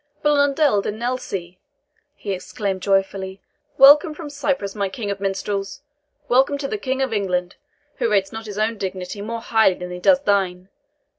"Blondel de Nesle!" he exclaimed joyfully "welcome from Cyprus, my king of minstrels! welcome to the King of England, who rates not his own dignity more highly than he does thine.